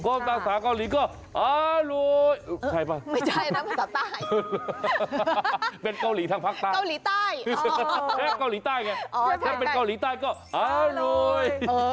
ถ้าเกิดเป็นภาษาเกาหลีก็อร่อยใช่ป่ะไม่ใช่นะภาษาใต้เป็นเกาหลีทางภาคใต้เกาหลีใต้แทบเกาหลีใต้ไงแทบเกาหลีใต้ก็อร่อย